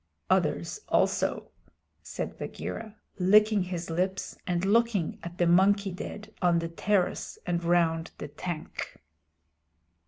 "Others also," said Bagheera, licking his lips and looking at the monkey dead on the terrace and round the tank.